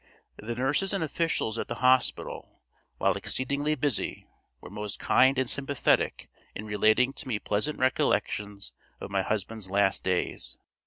The nurses and officials at the hospital, while exceedingly busy, were most kind and sympathetic in relating to me pleasant recollections of my husband's last days.